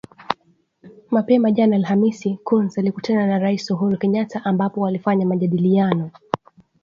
Mapema jana Alhamisi, Coons alikutana na rais Uhuru Kenyatta ambapo walifanya majadiliano